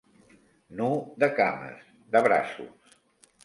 Nu de cames, de braços.